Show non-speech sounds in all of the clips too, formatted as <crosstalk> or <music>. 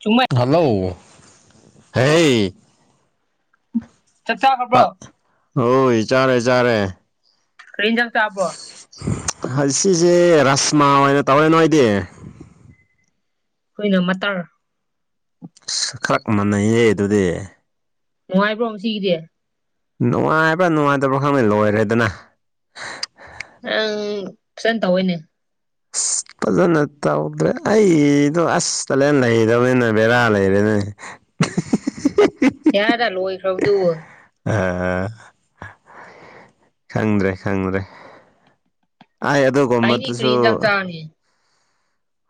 ꯆꯨꯝꯃꯦ ꯍꯜꯂꯣ ꯍꯦ ꯆꯥꯛ ꯆꯥꯈ꯭ꯔꯕ꯭ꯔꯣ ꯍꯣꯏ ꯆꯥꯔꯦ ꯆꯥꯔꯦ ꯀ꯭ꯔꯤ ꯌꯦꯟꯁꯥꯟ ꯆꯥꯕ꯭ꯔꯣ ꯉꯁꯤꯁꯦ ꯔꯥꯁꯃꯥ ꯑꯣꯏꯅ ꯇꯧꯔꯦ ꯅꯣꯏꯗꯤ ꯑꯩꯈꯣꯏꯅ ꯃꯇꯥꯔ ꯑꯁ ꯈꯔ ꯃꯥꯟꯅꯩꯌꯦ ꯑꯗꯨꯗꯤ ꯅꯨꯡꯉꯥꯏꯕ꯭ꯔꯣ ꯉꯁꯤꯒꯤꯗꯤ ꯅꯨꯡꯉꯥꯏꯕ ꯅꯨꯡꯉꯥꯏꯇꯕ ꯈꯪꯗꯦ ꯂꯣꯏꯔꯦꯗꯅ ꯑꯪ ꯐꯖꯅ ꯇꯧꯋꯦꯅꯦ <inaudible> ꯐꯖꯅ ꯇꯧꯗ꯭ꯔꯦ ꯑꯩꯗꯣ ꯑꯁ ꯇꯦꯂꯦꯟ ꯂꯩꯗꯕꯅꯤꯅ ꯕꯦꯔꯥ ꯂꯩꯔꯦꯅꯦ <unintelligible> ꯌꯥꯔꯦꯗ ꯂꯣꯏꯈ꯭ꯔꯕꯨꯗꯨ ꯑ ꯈꯪꯗ꯭ꯔꯦ ꯈꯪꯗ꯭ꯔꯦ ꯑꯩ ꯑꯩꯅꯤ ꯀꯔꯤ ꯑꯗꯨꯒꯨꯝꯕꯗꯨꯁꯨ ꯏꯟꯖꯥꯡ ꯆꯥꯔꯅꯤ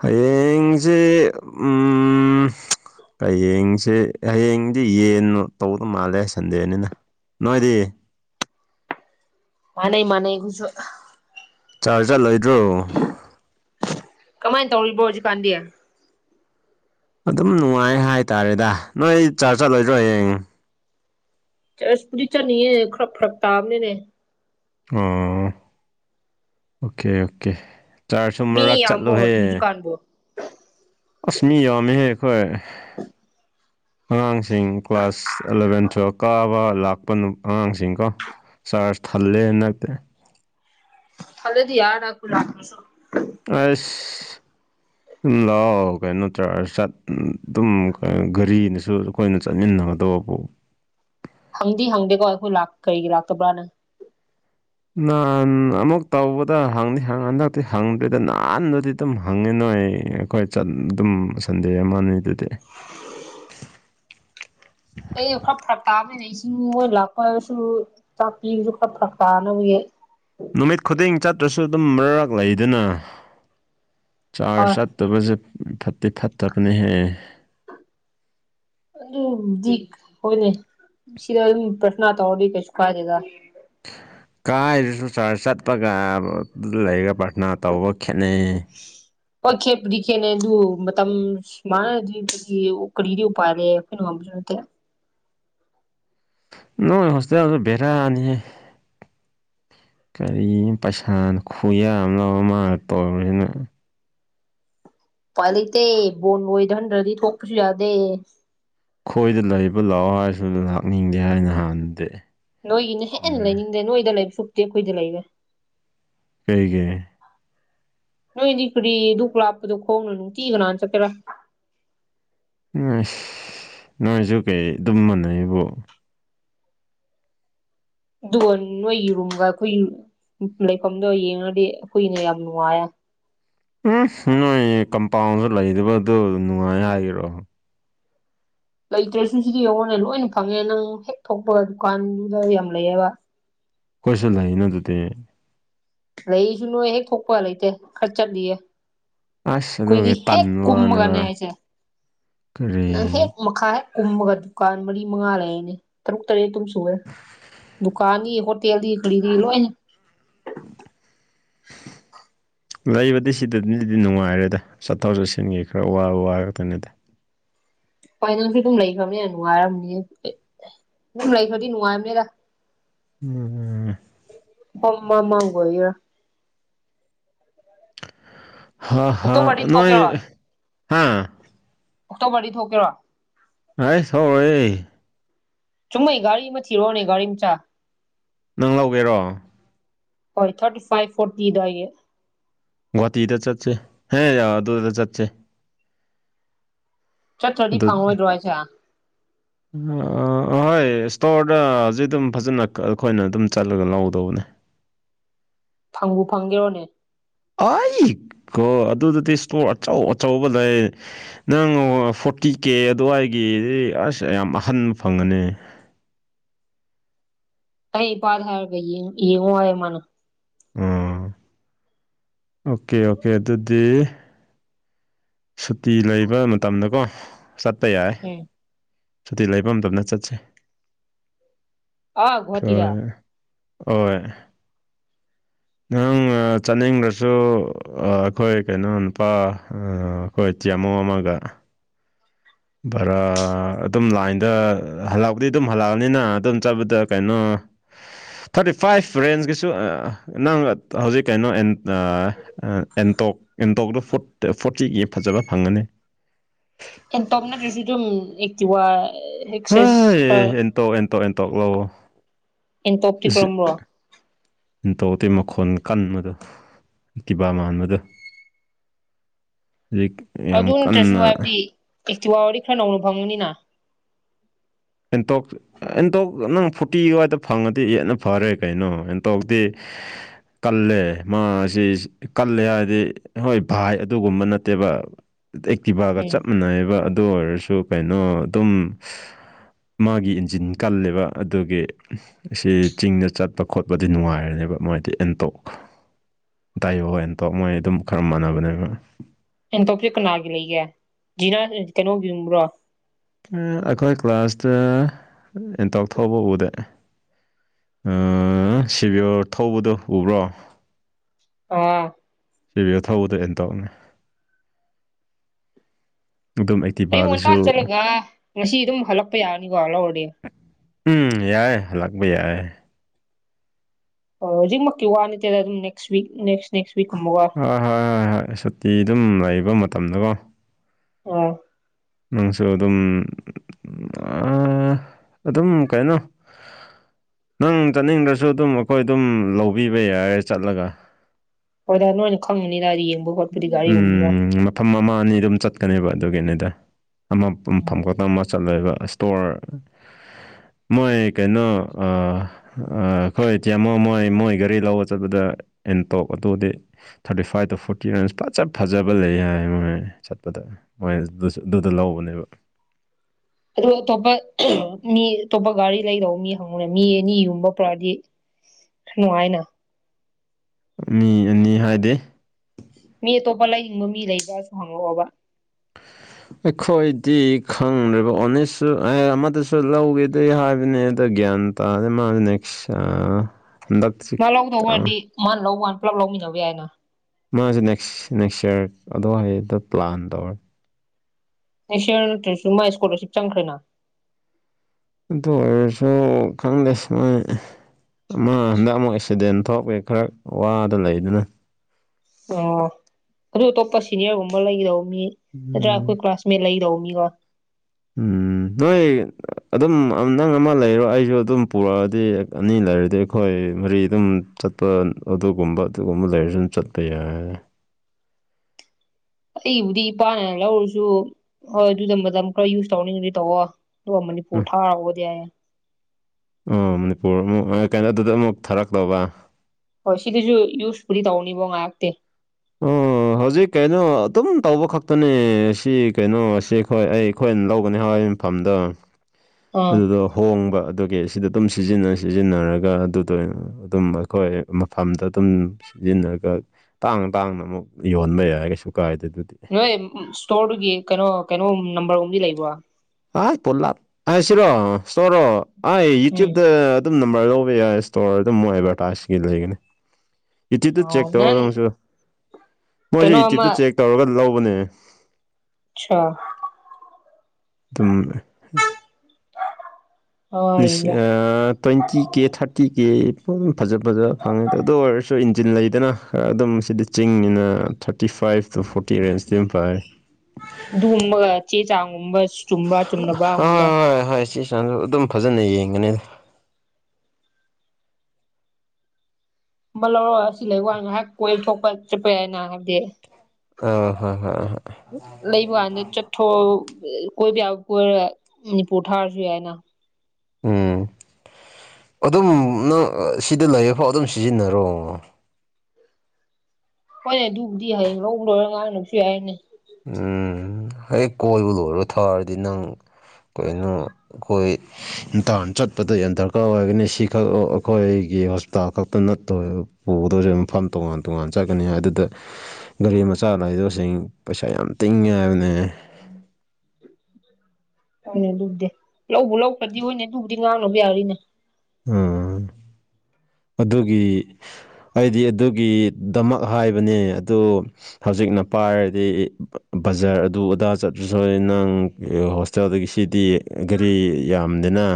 ꯍꯌꯦꯡꯁꯦ ꯎꯝ ꯍꯌꯦꯡꯁꯦ ꯍꯌꯦꯡꯗꯤ ꯌꯦꯟ ꯇꯧꯗꯧ ꯃꯥꯜꯂꯦ ꯁꯟꯗꯦꯅꯤꯅ ꯅꯣꯏꯗꯤ ꯃꯥꯟꯅꯩ ꯃꯥꯟꯅꯩ ꯑꯩꯈꯣꯢꯁꯨ ꯆꯥꯔꯖꯔ ꯆꯠꯂꯣꯏꯗ꯭ꯔꯣ ꯀꯃꯥꯏꯅ ꯇꯧꯔꯤꯕꯣ ꯍꯧꯖꯤꯛ ꯒꯥꯟꯗꯤ ꯑꯗꯨꯝ ꯅꯨꯡꯉꯥꯏ ꯍꯥꯏꯇꯥꯔꯦꯗ ꯅꯣꯏ ꯆꯥꯔꯁ ꯆꯠꯂꯣꯏꯗ꯭ꯔꯣ ꯍꯌꯦꯡ ꯆꯥꯔꯁꯕꯨꯗꯤ ꯆꯠꯅꯤꯌꯦ ꯈꯔ ꯐꯔꯛ ꯇꯥꯕꯅꯤꯅꯦ ꯑꯣ ꯑꯣꯀꯦ ꯑꯣꯀꯦ ꯆꯥꯔꯋꯁꯨꯨ ꯃꯤ ꯃꯔꯛ ꯌꯥꯝꯕ꯭ꯔꯣ ꯆꯠꯂꯣꯍꯦ ꯍꯧꯖꯤꯛꯀꯥꯟꯕꯨ ꯑꯁ ꯃꯤ ꯌꯥꯝꯃꯦꯍꯦ ꯑꯩꯈꯣꯏ ꯑꯉꯥꯡꯁꯤꯡ ꯀ꯭ꯂꯥꯁ ꯑꯦꯂꯚꯦꯟ ꯇꯨꯋꯦꯐ ꯀꯥꯕ ꯂꯥꯛꯄ ꯅꯨ ꯑꯉꯥꯡꯁꯤꯡ ꯀꯣ ꯆꯥꯔꯖ ꯊꯜꯂꯦ ꯍꯟꯗꯛꯇꯤ <unintelligible> ꯑꯁ ꯗꯨꯨꯝ ꯂꯥꯛꯑꯣ ꯀꯩꯅꯣ ꯅꯠꯇ꯭ꯔ <unintelligible> ꯑꯗꯨꯝ ꯒꯥꯔꯤꯅꯁꯨ ꯑꯩꯈꯣꯏꯅ ꯆꯠꯃꯤꯟꯅꯒꯗꯧꯕꯕꯨ ꯍꯪꯗꯤ ꯍꯪꯗꯦꯀꯣ ꯑꯩꯈꯣꯏ ꯂꯥꯛ ꯀꯔꯤ ꯂꯥꯛꯇꯕ꯭ꯔꯥꯅ ꯅꯍꯥꯟ ꯑꯃꯨꯛ ꯇꯧꯕ ꯗ ꯍꯪꯗꯤ ꯍꯪꯏ ꯍꯟꯗꯛꯇꯤ ꯍꯪꯗꯦꯗ ꯅꯍꯟꯗꯨꯗꯤ ꯑꯗꯨꯝ ꯍꯪꯉꯤ ꯅꯣꯏ ꯑꯩꯈꯣꯏ ꯁꯟꯗꯦ ꯑꯗꯨꯝ ꯁꯟꯗꯦ ꯑꯃꯅꯤꯗꯨꯗꯤ <inaudible> ꯑꯩ ꯈꯔ ꯐꯔꯛ ꯇꯥꯕꯅꯤꯅꯦ <unintelligible> ꯃꯣꯏ ꯂꯥꯛꯄꯁꯨ ꯆꯥꯛꯄꯤꯕꯁꯨ ꯈꯔ ꯐꯔꯛ ꯇꯥꯅꯕꯒꯤ ꯅꯨꯃꯤꯠ ꯈꯨꯗꯤꯡ ꯆꯠꯇ꯭ꯔꯁꯨ ꯑꯗꯨꯝ ꯃꯔꯛ ꯂꯩꯗꯅ ꯆꯥꯔꯖ ꯍꯣꯏ ꯆꯠ ꯇꯕꯁꯦ ꯐꯠꯇꯤ ꯐꯠꯇꯕꯅꯦꯍꯦ ꯑꯗꯨꯕꯨꯗꯤ ꯍꯣꯏꯅꯦ ꯁꯤꯗ ꯑꯗꯨꯝ ꯄꯥꯔꯊꯅꯥ ꯇꯧꯔꯗꯤ ꯀꯩꯁꯨ ꯀꯥꯏꯗꯦꯗ ꯀꯥꯏꯗ꯭ꯔꯁꯨ ꯆꯔꯖ ꯆꯠꯄꯒ ꯑꯗꯨꯗ ꯂꯩꯔꯒ ꯄ꯭ꯔꯊꯅꯥ ꯇꯧꯕ ꯈꯦꯠꯅꯩꯌꯦ ꯍꯣꯏ ꯈꯦꯠꯄꯨꯗꯤ ꯈꯦꯠꯅꯩ ꯑꯗꯨ ꯃꯇꯝ ꯃꯥꯅꯗ꯭ꯔꯗꯤ ꯀꯔꯤ ꯀꯔꯤꯗꯤ ꯎꯄꯥꯌ ꯂꯩ ꯑꯩꯈꯣꯏꯅ ꯉꯝꯕꯁꯨ ꯅꯠꯇꯦ ꯅꯣꯡ ꯍꯣꯁꯇꯦꯜꯗꯣ ꯕꯦꯔꯥꯅꯤꯍꯦ ꯀꯔꯤꯅꯣ ꯄꯩꯁꯥꯅ ꯈꯨꯌꯥꯝ ꯑꯃ ꯂꯧꯔ ꯃꯥꯅ ꯇꯧꯔꯤꯅ ꯎꯄꯥꯏ ꯂꯩꯇꯦ ꯕꯣꯜ <unintelligible> ꯍꯟꯗ꯭ꯔꯗꯤ ꯊꯣꯛꯄꯁꯨ ꯌꯥꯗꯦ ꯑꯩꯈꯣꯏꯗ ꯂꯩꯕ ꯂꯥꯛꯑꯣ ꯍꯥꯏꯔꯁꯨ ꯂꯥꯛꯅꯤꯡꯗꯦ ꯍꯥꯏ ꯅꯍꯥꯟꯗꯤ ꯅꯣꯏꯒꯤꯅ ꯍꯦꯟꯅ ꯎꯝ ꯂꯩꯅꯤꯡꯗꯦ ꯅꯣꯏꯗ ꯂꯩꯕ ꯁꯨꯛꯇꯤ ꯑꯩꯈꯣꯏꯗ ꯂꯩꯒꯦ ꯀꯩꯒꯤ ꯅꯣꯏꯗꯤ ꯀ꯭ꯔꯤ ꯗꯨꯛ ꯂꯥꯞꯄꯗꯨ ꯈꯣꯡꯅ ꯅꯨꯡꯇꯤ ꯀꯅꯅꯥ ꯆꯠꯀꯦꯔꯥ ꯅꯣꯏ ꯅꯣꯏꯁꯨ ꯀꯩ ꯑꯗꯨꯝ ꯃꯥꯟꯅꯩꯕꯣ ꯑꯗꯨꯒ ꯅꯣꯏ ꯔꯨꯝꯒ ꯑꯩꯈꯣꯏꯒꯤ ꯂꯩꯐꯝꯗꯣ ꯌꯦꯡꯔꯗꯤ ꯑꯩꯈꯣꯏꯅ ꯌꯥꯝ ꯅꯨꯡꯉꯥꯏꯌꯦ ꯎꯝ ꯅꯣꯏ ꯀꯝꯄꯥꯎꯟꯁꯨ ꯂꯩꯗꯕ ꯑꯗꯨ ꯅꯨꯡꯉꯥꯏ ꯍꯥꯏꯒꯦꯔꯣ ꯂꯩꯇ꯭ꯔꯁꯨ ꯁꯤꯗꯤ ꯌꯦꯡꯉꯣꯅꯦ ꯂꯣꯏꯅ ꯐꯪꯉꯦ ꯅꯪ ꯍꯦꯛ ꯊꯣꯛꯄꯒꯥ ꯗꯨꯀꯥꯟꯗꯨꯗ ꯌꯥꯝ ꯂꯩꯑꯦꯕ ꯑꯈꯣꯏꯁꯨ ꯂꯩꯅꯥ ꯑꯗꯨꯗꯤ ꯂꯩꯔꯁꯨ ꯅꯣꯏ ꯍꯦꯛ ꯊꯣꯛꯄ ꯂꯩꯇꯦ ꯈꯔ ꯆꯠꯂꯤꯌꯦ ꯑꯁ ꯑꯩꯈꯣꯏꯗꯤ ꯑꯗꯨꯒꯤ ꯍꯦꯛ ꯇꯟꯕ ꯋꯥꯅꯦꯕ ꯀꯨꯝꯕꯒꯅꯤ ꯍꯥꯏꯁꯦ ꯅꯪ ꯀꯔꯤ ꯍꯦꯛ ꯃꯈꯥ ꯍꯦꯛ ꯀꯨꯝꯕꯒ ꯗꯨꯀꯥꯟ ꯃꯔꯤ ꯃꯉꯥ ꯂꯩꯔꯥꯅꯤ ꯇꯔꯨꯛ ꯇꯔꯦꯠ ꯗꯨꯝ ꯁꯨꯔꯦ ꯗꯨꯛ <unintelligible> ꯍꯣꯇꯦꯜꯗꯤ ꯀ꯭ꯔꯤ ꯀ꯭ꯔꯤ ꯂꯣꯏꯅ <inaudible> ꯂꯩꯕꯗꯤ ꯁꯤꯗꯅꯗꯤ ꯅꯨꯡꯉꯥꯏꯔꯦꯗ ꯆꯠꯊꯣꯛ ꯆꯠꯁꯤꯟꯒꯤ ꯈꯔ ꯋꯥꯕ ꯋꯥ ꯈꯛꯇꯅꯤꯗ ꯍꯣꯌ ꯅꯪꯁꯦ ꯑꯗꯨꯝ ꯂꯩꯈ꯭ꯔꯕꯅꯤꯅ ꯅꯨꯡꯉꯥꯏꯔꯝꯅꯤ ꯑꯗꯨꯝ ꯂꯩꯈ꯭ꯔꯗꯤ ꯅꯨꯡꯉꯥꯏꯕꯅꯦꯗ ꯎꯝ ꯎꯝ <unintelligible> ꯍ ꯍ ꯑꯣꯛꯇꯣꯕꯔꯗꯤ ꯅꯣꯏ ꯊꯣꯛꯀꯦꯔꯣ ꯍꯥ ꯑꯣꯛꯇꯣꯕꯔꯗꯤ ꯊꯣꯛꯀꯦꯔꯣ ꯍꯥꯏ <unintelligible> ꯆꯨꯝꯃꯩ ꯒꯥꯔꯤ ꯑꯃ ꯊꯤꯔꯣꯅꯦ ꯒꯥꯔꯤ ꯃꯆꯥ ꯅꯪ ꯂꯧꯒꯦꯔꯣ ꯍꯣꯏ ꯊꯥꯔꯇꯤ ꯐꯥꯏꯚ ꯐꯣꯔꯇꯤ ꯑꯗꯨꯋꯥꯏꯒꯤ ꯒꯨꯋꯥꯍꯥꯇꯤꯗ ꯆꯠꯁꯦ ꯍꯦ ꯌꯥ ꯑꯗꯨꯗ ꯆꯠꯁꯦ ꯆꯠꯇ꯭ꯔꯗꯤ ꯐꯪꯉꯣꯏꯗ꯭ꯔꯣ ꯍꯥꯏꯁꯦ ꯑ ꯍꯣꯏ ꯏꯁꯇꯣꯔꯗ ꯍꯧꯖꯤꯛ ꯑꯗꯨꯝ ꯐꯖꯅ ꯑꯩꯈꯣꯏꯅ ꯑꯗꯨꯝ ꯆꯠꯂꯒ ꯂꯧꯗꯧꯕꯅꯦ ꯐꯪꯕꯨ ꯐꯪꯒꯦꯔꯣꯅꯦ ꯑꯩ ꯀꯣ ꯑꯗꯨꯗꯗꯤ ꯏꯁꯇꯣꯔ ꯑꯆꯧ ꯑꯆꯧꯕ ꯂꯩ ꯅꯪ ꯐꯣꯔꯇꯤ ꯀꯦ ꯑꯗꯨꯋꯥꯏꯒꯤꯗꯤ ꯑꯁ ꯌꯥꯝ ꯑꯍꯟꯕ ꯐꯪꯉꯅꯤ ꯑꯩ ꯏꯄꯥꯗꯥ ꯍꯥꯏꯔꯒꯥ ꯌꯦꯡꯉꯣ ꯍꯥꯏꯌꯦ ꯃꯅꯥ ꯎꯝ ꯑꯣꯀꯦ ꯑꯣꯀꯦ ꯑꯗꯨꯗꯤ ꯁꯨꯇꯤ ꯂꯩꯕ ꯃꯇꯝꯗꯀꯣ ꯆꯠꯄ ꯌꯥꯏ ꯎꯝ ꯁꯨꯇꯤ ꯂꯩꯕ ꯃꯇꯝꯅ ꯆꯠꯁꯦ ꯑꯥ ꯒꯨꯍꯥꯇꯤꯗ ꯍꯣꯏꯍꯣꯏ ꯍꯣꯏ ꯅꯪꯅꯥ ꯆꯠꯅꯤꯡꯔꯁꯨ ꯑꯩꯈꯣꯏ ꯀꯩꯅꯣ ꯅꯨꯄꯥ ꯑꯩꯈꯣꯏ ꯇꯤꯃꯣ ꯑꯃꯒ ꯕꯔꯥ ꯑꯗꯨꯝ ꯂꯥꯏꯟꯗ ꯍꯜꯂꯛꯄꯗꯤ ꯑꯗꯨꯝ ꯍꯜꯂꯛꯑꯅꯤꯅ ꯑꯗꯨꯝ ꯆꯠꯄꯗ ꯀꯩꯅꯣ ꯊꯥꯔꯇꯤ ꯐꯥꯏꯚ ꯔꯦꯟꯖꯀꯤꯁꯨ ꯅꯪ ꯍꯧꯖꯤꯛ ꯀꯩꯅꯣ ꯑꯦꯟ ꯑꯦꯟꯇꯣꯛ ꯑꯦꯟꯇꯣꯛꯇꯣ ꯐꯣꯔꯠ ꯐꯣꯔꯇꯤꯒꯤ ꯐꯖꯕ ꯐꯪꯒꯅꯤ ꯑꯦꯟꯇꯣꯛ ꯅꯥꯠꯇ꯭ꯔꯁꯨ ꯑꯗꯨꯝ ꯑꯦꯛꯇꯤꯕꯥ ꯑꯦꯛꯁꯦꯁ ꯈꯔ ꯇꯣꯛ ꯑꯦꯟꯇꯣꯛ ꯑꯦꯟꯇꯣꯛ ꯂꯧꯑꯣ ꯑꯦꯟꯇꯣꯞꯇꯤ ꯀꯔꯥꯝꯕ꯭ꯔꯣ ꯑꯦꯟꯇꯣꯛꯇꯤ ꯃꯈꯣꯟ ꯀꯟꯕꯗꯣ ꯑꯦꯛꯇꯤꯕꯥ ꯃꯥꯟꯕꯗꯣ ꯂꯤꯛ ꯑꯗꯨ ꯅꯠꯇ꯭ꯔꯁꯨ ꯍꯥꯏꯕꯗꯤ ꯑꯦꯛꯇꯤꯋꯥꯗꯤ ꯈꯔ ꯅꯧꯅ ꯐꯪꯉꯅꯤꯅ ꯑꯦꯟꯇꯣꯛ ꯑꯦꯟꯇꯣꯛ ꯅꯪ ꯐꯨꯔꯇꯤ ꯋꯥꯏꯗ ꯐꯪꯉꯗꯤ ꯍꯦꯟꯅ ꯐꯔꯦ ꯀꯩꯅꯣ ꯑꯦꯟꯇꯣꯛꯇꯤ ꯀꯜꯂꯦ ꯃꯥꯁꯤ ꯀꯜꯂꯦ ꯍꯥꯏꯔꯗꯤ ꯍꯣꯏ ꯚꯥꯏꯠ ꯑꯗꯨꯒꯨꯝꯕ ꯅꯠꯇꯦꯕ ꯑꯦꯛꯇꯤꯚꯥꯒ ꯎꯝ ꯆꯞ ꯃꯥꯟꯅꯩꯕ ꯑꯗꯨ ꯑꯣꯏꯔꯁꯨ ꯀꯩꯅꯣ ꯑꯗꯨꯝ ꯃꯥꯒꯤ ꯏꯟꯖꯤꯟ ꯀꯜꯂꯦꯕ ꯑꯗꯨꯒꯤ ꯁꯤ ꯆꯤꯡꯗ ꯆꯠꯄ ꯈꯣꯠꯄꯗꯤ ꯅꯨꯡꯉꯥꯏꯔꯅꯦꯕ ꯃꯣꯏꯗꯤ ꯑꯦꯟꯇꯣꯛ ꯗꯥꯏꯌꯣ ꯑꯦꯟꯇꯣꯛ ꯃꯣꯏ ꯑꯗꯨꯝ ꯈꯔ ꯃꯥꯟꯅꯕꯅꯦꯕ ꯑꯦꯟꯇꯣꯀꯇꯤ ꯀꯅꯥꯒꯤ ꯂꯩꯒꯦ ꯖꯤꯅꯥ ꯀꯩꯅꯣꯒꯤꯒꯨꯝꯕ꯭ꯔꯣ ꯎꯟ ꯑꯩꯈꯣꯏ ꯀ꯭ꯂꯥꯁꯇ ꯏꯟꯇꯣꯛ꫰ꯊꯧꯕ ꯎꯗꯦ ꯑꯥ ꯁꯤꯚꯤꯌꯣꯔ ꯊꯧꯕꯗꯣ ꯎꯕ꯭ꯔꯣ <unintelligible> ꯁꯤꯚꯤꯌꯣꯔ ꯊꯧꯕꯗꯣ ꯑꯦꯟꯇꯣꯛꯅꯦ ꯑꯗꯨꯝ ꯑꯦꯛ ꯑꯌꯨꯛ ꯉꯟꯇꯥ ꯆꯠꯂꯒ ꯉꯁꯤ ꯑꯗꯨꯝ ꯍꯜꯂꯛꯄ ꯌꯥꯔꯅꯤꯀꯣ ꯂꯧꯔꯗꯤ ꯎꯝ ꯌꯥꯏ ꯍꯜꯂꯥꯛꯄꯥ ꯌꯥꯏ ꯍꯧꯖꯤꯛꯃꯛꯀꯤ ꯋꯥ ꯅꯠꯇꯦꯗ ꯑꯗꯨꯝ ꯅꯦꯛꯁ ꯌꯤꯛ ꯅꯦꯛꯁ ꯅꯦꯛꯁ ꯋꯤꯛꯀꯨꯝꯕ ꯀꯣ ꯍꯣꯏ ꯍꯣꯏ ꯍꯣꯏ ꯍꯣꯏ ꯁꯨꯇꯤ ꯑꯗꯨꯝ ꯂꯩꯕ ꯃꯇꯝꯗꯀꯣ ꯑꯣ ꯅꯪꯁꯨ ꯑꯗꯨꯝ ꯑꯥ ꯑꯗꯨꯝ ꯀꯩꯅꯣ ꯅꯪ ꯆꯠꯅꯤꯡꯗ꯭ꯔꯁꯨ ꯑꯗꯨꯝ ꯑꯩꯈꯣꯏ ꯑꯗꯨꯝ ꯂꯧꯕꯤꯕ ꯌꯥꯏ ꯆꯠꯂꯒ ꯍꯣꯢꯗꯥ ꯅꯧꯅꯥ ꯈꯪꯉꯅꯤꯗꯥ ꯌꯦꯡꯕ ꯈꯣꯠꯄꯗꯤ ꯒꯥꯔꯤꯒꯨꯝꯕꯗꯤꯀꯣ ꯎꯝ ꯃꯐꯝ ꯑꯃ ꯑꯅꯤ ꯑꯗꯨꯝ ꯆꯠꯀꯅꯦꯕ ꯑꯗꯨꯒꯤꯅꯤꯗ ꯑꯃ ꯃꯐꯝ ꯈꯛꯇꯪ ꯃꯥ ꯆꯠꯂꯣꯏꯕ ꯏꯁꯇꯣꯔ ꯃꯣꯏ ꯀꯩꯅꯣ ꯑꯈꯣꯏ ꯏꯆꯤꯃꯣ ꯃꯣꯏ ꯃꯣꯏ ꯒꯥꯔꯤ ꯂꯧꯕ ꯆꯠꯄꯗ ꯑꯦꯟꯇꯣꯞ ꯑꯗꯨꯗꯤ ꯊꯔꯇꯤ ꯐꯥꯏꯚ ꯇꯖ ꯐꯣꯔ <unintelligible> ꯐꯖ ꯐꯖꯕ ꯂꯩ ꯍꯥꯏ ꯃꯣꯏ ꯆꯠꯄꯗ ꯃꯣꯏ ꯑꯗꯨꯗ ꯂꯧꯕꯅꯦꯕ ꯑꯗꯨ ꯑꯇꯣꯞꯄ ꯃꯤ ꯑꯇꯣꯞꯄ ꯒꯥꯔꯤ ꯂꯩꯗꯧꯕ ꯃꯤ ꯍꯪꯉꯨꯅꯦ ꯃꯤ ꯑꯅꯤ ꯒꯨꯝꯕ ꯄꯣꯔꯛꯑꯗꯤ ꯅꯣꯉꯥꯏꯅ ꯃꯤ ꯑꯅꯤ ꯍꯥꯏꯗꯤ ꯃꯤ ꯑꯇꯣꯞꯄ ꯂꯥꯏꯅꯤꯡꯕ ꯃꯤ ꯂꯩꯕ꯭ꯔꯁꯨ ꯍꯪꯉꯛꯑꯣꯕ ꯑꯩꯈꯣꯏꯗꯤ ꯈꯪꯗꯦꯕ ꯑꯣꯅꯦꯁꯁꯨ ꯑꯃꯗꯁꯨ ꯂꯧꯒꯦꯗꯦ ꯍꯥꯏꯕꯅꯤ ꯑꯗ ꯒ꯭ꯌꯥꯟ ꯇꯗꯦ ꯃꯥꯅ ꯅꯦꯛꯁ ꯑꯥ ꯍꯟꯗꯛ ꯃꯥ ꯂꯧꯗꯧꯕ ꯑꯣꯏꯔꯗꯤ ꯃꯥꯅ ꯂꯧꯕꯀꯟꯗ ꯄꯨꯂꯞ ꯂꯧꯃꯤꯟꯅꯕ ꯌꯥꯏꯅ ꯃꯥꯖꯦ ꯅꯦꯛꯁ ꯅꯦꯛꯁ ꯌꯔ ꯑꯗꯨꯋꯥꯏꯗ ꯄ꯭ꯂꯥꯟ ꯇꯧꯔ ꯑꯦꯁꯤꯌꯥꯟ ꯅꯠꯇ꯭ꯔꯁꯨ ꯃꯥꯥꯏ ꯏꯁꯀꯣꯂꯔꯁꯤꯞ ꯆꯪꯈ꯭ꯔꯦꯅ ꯑꯗꯨ ꯑꯣꯏꯔꯁꯨ ꯈꯪꯗꯦ ꯃꯣꯏ ꯑꯃ ꯍꯟꯗꯛ ꯑꯃꯨꯛ ꯑꯦꯛꯁꯤꯗꯦꯟ ꯊꯣꯛꯄꯩ ꯈꯔ ꯋꯥꯗ ꯂꯩꯗꯅ ꯑꯣ ꯑꯗꯨ ꯑꯇꯣꯞꯄ ꯁꯤꯅꯤꯌꯔꯒꯨꯝꯕ ꯂꯩꯒꯗꯧꯕ ꯃꯤ ꯅꯠꯇ꯭ꯔꯥ ꯎꯝ ꯑꯩꯈꯣꯏ ꯀ꯭ꯂꯥꯁꯃꯦꯠ ꯂꯩꯒꯗꯧ ꯃꯤꯒ ꯎꯝ ꯅꯣꯏ ꯑꯗꯨꯝ ꯅꯪ ꯑꯃ ꯂꯩꯔꯣ ꯑꯩꯁꯨ ꯑꯗꯨꯝ ꯄꯨꯔꯛꯑꯗꯤ ꯑꯅꯤ ꯂꯩꯔꯗꯤ ꯑꯩꯈꯣꯏ ꯃꯔꯤ ꯑꯗꯨꯝ ꯆꯠꯄ ꯑꯗꯨꯒꯨꯝꯕ ꯑꯗꯨꯒꯨꯝꯕ ꯂꯩꯔꯁꯨ ꯑꯗꯨꯝ ꯆꯠꯄ ꯌꯥꯏ ꯑꯩꯕꯨꯗꯤ ꯏꯄꯥꯅ ꯂꯧꯔꯁꯨ ꯍꯣꯏ ꯑꯗꯨꯗ ꯃꯇꯝ ꯈꯔ ꯌꯨꯁ ꯇꯧꯔꯅꯤꯡꯉꯗꯤ ꯇꯧꯋꯣ ꯑꯗꯨꯒ ꯃꯅꯤꯄꯨꯔ <unintelligible> ꯌꯥꯏꯌꯦ ꯑꯣ ꯃꯅꯤꯄꯨꯔ ꯑꯃꯨꯛ ꯀꯩꯅꯣ ꯑꯗꯨꯗ ꯑꯃꯨꯛ ꯊꯥꯔꯛꯇꯧꯕ ꯍꯣꯏ ꯁꯤꯗꯁꯨ ꯌꯨꯁꯄꯨꯗꯤ ꯇꯧꯅꯤꯕꯣ ꯉꯥꯏꯍꯥꯛꯇꯦ ꯎꯝ ꯍꯧꯖꯤꯛ ꯀꯩꯅꯣ ꯑꯗꯨꯝ ꯇꯧꯕ ꯈꯛꯇꯅꯦ ꯁꯤ ꯀꯩꯅꯣ ꯑꯁꯤ ꯑꯩꯈꯣꯏ ꯑꯩ ꯑꯩꯈꯣꯏꯅ ꯂꯧꯒꯅꯤ ꯍꯣꯏ ꯐꯝꯗꯣ ꯑꯥ ꯑꯗꯨꯗꯣ ꯍꯣꯡꯕ ꯑꯗꯨꯒꯤ ꯁꯤꯗ ꯑꯗꯨꯝ ꯁꯤꯖꯤꯟꯅ ꯁꯤꯖꯤꯟꯅꯔꯒ ꯑꯗꯨꯗ ꯑꯣꯏꯅ ꯑꯗꯨꯝ ꯑꯈꯣꯏ ꯃꯐꯝꯗ ꯑꯗꯨꯝ ꯁꯤꯖꯤꯟꯅꯔꯒ ꯇꯥꯡꯅ ꯇꯥꯡꯅ ꯑꯃꯨꯛ ꯌꯣꯟꯕ ꯌꯥꯏ ꯀꯩꯁꯨ ꯀꯥꯏꯗꯦ ꯑꯗꯨꯗꯤ ꯅꯣꯏ ꯏꯁ꯭ꯇꯣꯔꯗꯨꯒꯤ ꯀꯩꯅꯣ ꯀꯩꯅꯣ ꯅꯝꯕꯔꯒꯨꯝꯗꯤ ꯂꯩꯕ꯭ꯔꯣ ꯑꯥꯏ ꯄꯣꯂꯥꯞ ꯑ ꯁꯤꯔꯣ ꯏꯁꯇꯣꯔꯔꯣ ꯎꯝ ꯌꯨꯇꯨꯞꯇ ꯑꯗꯨꯝ ꯅꯝꯕꯔ ꯂꯧꯕ ꯌꯥꯏ ꯏꯁꯇꯣꯔ ꯑꯗꯨꯝ ꯃꯣꯏ ꯑꯦꯗꯚꯔꯇꯥꯏꯖꯀꯤ ꯂꯩꯒꯅꯤ ꯌꯨꯇ꯭ꯌꯨꯞꯇ ꯆꯦꯛ ꯑꯣ ꯇꯧꯋꯣ ꯅꯪ ꯅꯪꯁꯨ ꯃꯣꯏꯖꯨ ꯀꯩꯅꯣ ꯌꯨꯇ꯭ꯌꯨꯞꯇ ꯑꯃ ꯆꯦꯛ ꯇꯧꯔꯒ ꯂꯧꯕꯅꯦ ꯁꯥ ꯇꯨꯝꯃꯦ ꯂꯤꯁ ꯍꯣꯏꯒ ꯑꯥ ꯇ꯭ꯋꯦꯟꯇꯤ ꯀꯦ ꯊꯥꯔꯇꯤ ꯀꯦ ꯗꯨꯝ ꯐꯖ ꯐꯖꯕ ꯐꯪꯉꯦꯗ ꯑꯗꯨ ꯑꯣꯏꯔꯁꯨ ꯏꯟꯖꯤꯟ ꯂꯩꯗꯅ ꯑꯗꯨꯝ ꯁꯤꯗꯤ ꯆꯤꯡꯅꯤꯅ ꯊꯥꯔꯇꯤ ꯐꯥꯏꯞ ꯇꯨ ꯐꯣꯔꯇꯤ ꯑꯦꯔꯦꯟꯁꯇꯤ ꯑꯃ ꯐꯥꯏ ꯗꯨꯒꯨꯝꯕꯒ ꯆꯦ ꯆꯥꯡ ꯒꯨꯝꯕ ꯍꯣꯏ ꯍꯣꯏ ꯍꯣꯏ ꯆꯦ ꯆꯥꯡꯁꯨ ꯑꯗꯨꯝ ꯐꯖꯅ ꯌꯦꯡꯒꯅꯤꯗ ꯕꯔ ꯂꯧꯔꯛꯑꯣ ꯑꯁꯤ ꯂꯩ ꯋꯥ ꯉꯥꯏꯍꯥꯛ ꯀꯣꯏ ꯊꯣꯛꯄ ꯆꯠꯄ ꯌꯥꯏꯅ ꯍꯥꯏꯕꯗꯤ ꯑꯥ ꯍꯣꯏ ꯍꯣꯏ ꯍꯣꯏ ꯂꯩꯕꯀꯟꯗ ꯆꯠ ꯊꯥꯣꯛ ꯀꯣꯏꯕ ꯌꯥꯕ ꯀꯣꯏꯔꯒ ꯃꯅꯤꯄꯨꯔ ꯊꯥꯔꯁꯨ ꯌꯥꯏꯅ ꯎꯝ ꯑꯗꯨꯝ ꯅꯪ ꯁꯤꯗ ꯂꯩꯌꯦꯐꯥꯎ ꯑꯗꯨꯝ ꯁꯤꯖꯤꯟꯅꯔꯣ ꯍꯣꯏꯅꯦ ꯑꯗꯨꯕꯨꯗꯤ ꯍꯌꯦꯡ ꯂꯧꯕ ꯂꯣꯏꯔꯒ ꯉꯥꯡ ꯅꯁꯨ ꯌꯥꯏꯅꯦ ꯎꯝ ꯍꯦꯛ ꯀꯣꯏꯕ ꯂꯣꯏꯔ ꯊꯥꯔꯗꯤ ꯅꯪ ꯀꯩꯅꯣ ꯑꯈꯣꯏ ꯇꯥꯟ ꯆꯠꯄꯗ ꯌꯥꯝ ꯗꯔꯀꯥꯔ ꯑꯣꯏꯒꯅꯤ ꯁꯤꯈꯛ ꯑꯈꯣꯏꯒꯤ ꯍꯣꯁꯄꯤꯇꯥꯜ ꯈꯛꯇ ꯅꯠꯇꯕ ꯄꯨꯒꯗꯧꯁꯨ ꯃꯐꯝ ꯇꯣꯉꯥꯟ ꯇꯣꯉꯥꯟ ꯆꯠꯀꯅꯤ ꯍꯥꯏ ꯑꯗꯨꯗ ꯒꯥꯔꯤ ꯃꯆꯥ ꯂꯩꯏꯗꯕꯁꯤꯡ ꯄꯩꯁꯥ ꯌꯥꯝ ꯇꯤꯡꯉꯦ ꯍꯥꯏꯕꯅꯦ ꯍ‌ꯣꯏꯅꯦ ꯑꯗꯨꯕꯨꯗꯤ ꯂꯧꯕꯨ ꯂꯧꯈ꯭ꯔꯗꯤ ꯍꯣꯏꯅꯦ ꯑꯗꯨꯕꯨꯗꯤ ꯉꯥꯡꯅꯕ ꯌꯥꯔꯤꯅꯦ ꯎꯝ ꯑꯗꯨꯒꯤ ꯑꯩꯗꯤ ꯑꯗꯨꯒꯤꯗꯃꯛ ꯍꯥꯏꯕꯅꯦ ꯑꯗꯨ ꯍꯧꯖꯤꯛꯅ ꯄꯥꯏꯔꯗꯤ ꯕꯖꯥꯔ ꯑꯗꯨ ꯑꯗꯥ ꯆꯠꯇ꯭ꯔꯁꯨ <unintelligible> ꯅ‌ꯪ <unintelligible> ꯆꯗꯒꯤ ꯁꯤꯗꯤ ꯒꯥꯔꯤ ꯌꯥꯝꯗ‌ꯦꯅ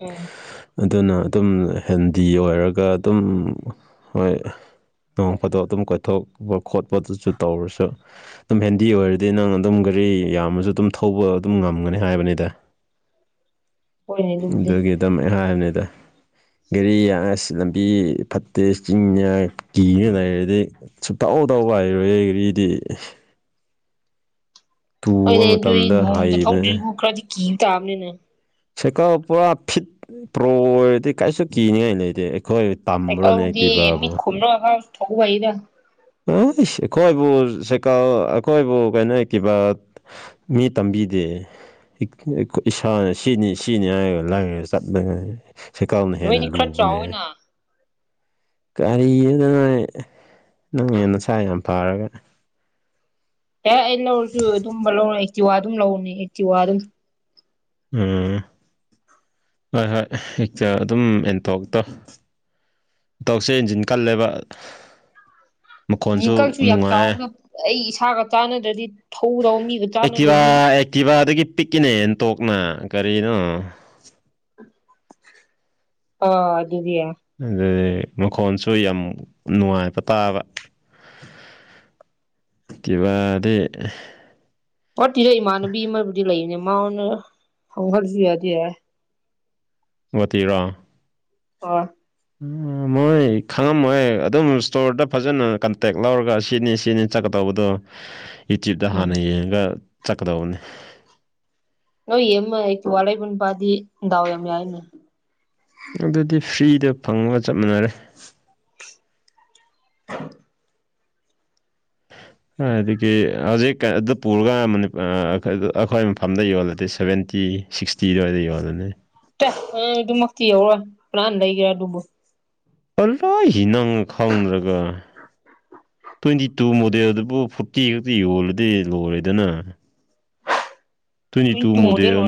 ꯎꯝ ꯑꯗꯨꯅ ꯑꯗꯨꯝ ꯍꯦꯟꯗꯤ ꯑꯣꯏꯔꯒ ꯑꯗꯨꯝ ꯍꯣꯏ ꯅꯣꯡꯐꯥꯗꯣꯛ ꯑꯗꯨꯝ ꯀ‌ꯣꯏꯊꯣꯛꯄ ꯈꯣꯠꯄꯗꯨꯁꯨ ꯇꯧꯔꯨꯁ‌ꯣ ꯇꯨꯝ ꯍꯦꯟꯗꯤ ꯑꯣꯏꯔꯗꯤ ꯅꯪ ꯑꯗꯨꯝ ꯒꯥꯔꯤ ꯌꯥꯝꯃꯁꯨ ꯑꯗꯨꯝ ꯊꯧꯕ ꯑꯗꯨꯝ ꯉꯝꯒꯅꯤ ꯍꯥꯏꯕꯅꯤꯗ ꯍꯣꯏꯅꯦ ꯑꯗꯨꯕꯨꯗꯤ ꯑꯗꯨꯒꯤ ꯑꯗꯨꯝ ꯍꯥꯏꯝꯅꯤꯗ ꯒꯥꯔꯤ ꯑꯁ ꯂꯝꯕꯤ ꯐꯠꯇꯦ ꯆꯤꯡꯅ‌ꯦ ꯍꯥꯏ ꯀꯤꯅ ꯂꯩꯔꯗꯤ ꯁꯨꯛ ꯊꯧ ꯊꯧꯕ ꯍꯩꯔꯣꯏ ꯌ‌ꯦ ꯒꯥꯔꯤꯗꯤ ꯇꯨꯕ ꯍ‌ꯣꯏꯅꯦ ꯑꯗꯨꯏ ꯃꯇꯝꯗ ꯅꯣꯡꯃꯇ ꯍꯩꯕꯅꯦ ꯊꯧꯗ‌ꯣꯏꯕꯨ ꯈꯔꯗꯤ ꯀꯤꯕ ꯇꯥꯕꯅꯤꯅꯦ ꯁꯥꯏꯀꯜ ꯄꯨꯔꯥ ꯐꯤꯠ ꯄ꯭ꯔꯣ ꯑꯣꯏꯔꯗꯤ ꯀꯩꯁꯨ ꯀꯤꯅꯤꯡꯉꯥꯏ ꯂꯩꯇ‌ꯦ ꯑꯩꯈꯣꯏ ꯇꯝꯕ꯭ꯔꯣꯅꯦ ꯁꯥꯏꯀꯜꯕꯨꯗꯤ ꯑꯦꯛꯇꯤꯚꯥꯕꯨ ꯃꯤꯠ ꯈꯨꯝꯔꯒ ꯈꯔꯥ ꯊꯧꯕ ꯍꯩꯗꯥ ꯍꯁ ꯑꯩꯈꯣꯏꯕꯨ ꯁꯥꯏꯀꯜ ꯑꯩꯈꯣꯏꯕꯨ ꯀꯩꯅꯣ ꯑ‌ꯦꯛꯇꯤꯕꯥ ꯃꯤ ꯇꯝꯕꯤꯗꯦ <unintelligible> ꯏꯁꯥꯅ ꯁꯤꯅꯤ ꯁꯤꯅꯤ ꯍꯥꯏꯔꯒ ꯂꯥꯏꯅ ꯆꯠꯕꯅ‌ꯦ ꯁꯩꯀꯜꯅ ꯍꯦꯟꯅ ꯅꯣꯏꯗꯤ ꯈꯔ ꯂꯨꯕꯅꯦ ꯆꯥꯎꯋꯦꯅ ꯀꯔꯤꯗꯅ ꯉꯥꯏ ꯅꯪ ꯍꯦ ꯅꯁꯥ ꯌꯥꯝ ꯐꯔꯒ ꯍ‌ꯦ ꯑꯩ ꯂꯧꯔꯁꯨ ꯑꯗꯨꯝꯕ ꯂꯧꯔ‌ꯣꯏ ꯑꯦꯛ ꯇꯤꯋꯥ ꯑꯗꯨꯝ ꯂꯧꯅꯤ ꯑꯦꯛ ꯇꯤꯋꯥ ꯑꯗꯨꯝ ꯎꯝ ꯍꯣꯏ ꯍꯣꯏ ꯍꯦꯛꯇ ꯑꯗꯨꯝ ꯑꯦꯟꯇ‌ꯣꯛꯇ ꯇꯧꯁꯦ ꯏꯟꯖꯤꯟ ꯀꯜꯂꯦꯕ ꯃꯈꯣꯟꯁꯨ ꯚꯤꯀꯜꯁꯨ ꯌꯥꯝ ꯅꯨꯡꯉꯥꯏ ꯆꯥꯎꯕꯗ ꯑꯩ ꯏꯁꯥꯒ ꯆꯥꯅꯗ꯭ꯔꯗꯤ ꯑꯛꯇꯤꯚ ꯑꯛꯇꯤꯚ ꯗꯒꯤ ꯄꯤꯛꯀꯤꯅꯦ ꯑꯦꯟꯇꯣꯛꯅ ꯀꯔꯤꯅꯣ ꯑ‌ꯣ ꯑꯗꯨꯗꯤ ꯌꯥ ꯑꯗꯨꯅꯤ ꯃꯈꯣꯟꯁꯨ ꯌꯥꯝ ꯅꯨꯡꯉꯥꯏꯕ ꯇꯥꯕ ꯇꯤꯀꯤꯚꯥ ꯗꯤ ꯄꯥꯔꯠꯇꯤꯗ ꯏꯃꯥꯟꯅꯕꯤ ꯑꯃꯥꯕꯨꯗꯤ ꯂꯩꯕꯅꯦ ꯃꯥꯉ‌ꯣꯟꯅ ꯍꯪꯉꯖꯨ ꯌꯥꯗꯤ ꯌꯥꯏ ꯒ‌ꯣꯍꯥꯇꯤꯔꯣ ꯍ‌ꯣꯏ ꯃꯣꯏ ꯈꯪꯉꯝꯃꯣꯏ ꯑꯗꯨꯝ ꯏꯁꯇꯣꯔꯗ ꯐꯖꯅ ꯀꯟꯇꯦꯛ ꯂꯧꯔꯒ ꯁꯤꯅꯤ ꯁꯤꯅꯤ ꯆꯠꯀꯗꯧꯕꯗꯣ ꯌꯤꯇꯨꯕ ꯇ ꯎꯝ ꯍꯥꯟꯅ ꯌꯦꯡꯉꯒ ꯆꯠꯀꯗꯧꯕꯅꯤ ꯅ‌ꯣꯏꯒꯤ ꯑꯃꯥ ꯑꯛꯇꯤꯚꯥ ꯂꯧꯏꯕ ꯄꯨꯗꯤ ꯗꯥꯎ ꯌꯥꯝ ꯌꯥꯏꯅ‌ꯦ ꯑꯗꯨꯗꯤ ꯐ꯭ꯔꯤꯗ ꯐꯪꯉꯒ ꯆꯞ ꯃꯥꯅꯔꯦ <inaudible> <inaudible> ꯀꯔꯥꯏꯗꯒꯤ ꯍꯧꯖꯤꯛ ꯑꯗꯨ ꯄꯨꯔꯒ ꯃꯅꯤ ꯑꯥ ꯑꯈꯣꯏ ꯃꯐꯝꯗ ꯌꯣꯜꯂꯗꯤ ꯁꯕꯦꯟꯇꯤ ꯁꯤꯛꯁ ꯇꯤ ꯗꯋꯥꯏꯗ ꯌ‌ꯣꯜꯂꯅꯤ ꯇ ꯑꯥ ꯑꯗꯨꯃꯛꯇꯤ ꯌꯧꯔ‌ꯣꯏ ꯀꯅꯥꯟ ꯂꯩꯒꯦ ꯑꯗꯨꯕ‌ꯣ <unintelligible> ꯅꯪ ꯈꯪꯗ꯭ꯔꯒ ꯇ꯭ꯋꯦꯟꯇꯤ ꯇꯨ ꯃꯣꯗꯦꯜꯗꯨꯕꯨ ꯐꯣꯔꯇꯤ ꯈꯛꯇꯤ ꯌꯣꯜꯂꯗꯤ ꯂꯣꯜꯔꯦꯗꯅ ꯇ꯭ꯋꯦꯟ ꯇꯨ ꯃꯣꯗꯦꯜ